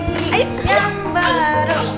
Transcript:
beli jam baru